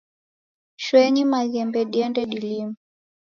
Shooenyi maghembe diende dilime